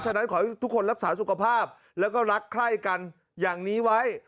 ฉะนั้นขอให้ทุกคนรักษาสุขภาพแล้วก็รักไข้กันอย่างนี้ไว้